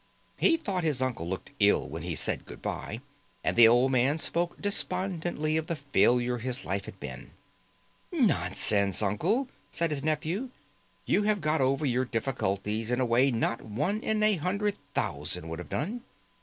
He thought his uncle looked ill when he said good by, and the old man spoke despondently of the failure his life had been. "Nonsense, uncle!" said his nephew. "You have got over your difficulties in a way not one in a hundred thousand would have done.